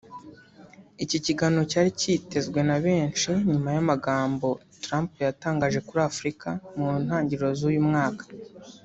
Iki kiganiro cyari kitezwe na benshi nyuma y’amagambo Trump yatangaje kuri Afurika mu ntangiriro z’uyu mwaka